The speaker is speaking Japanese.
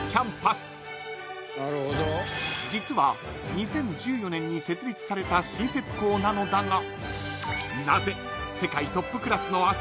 ［実は２０１４年に設立された新設校なのだが］